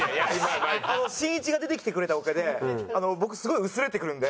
しんいちが出てきてくれたおかげで僕すごい薄れてくるんで。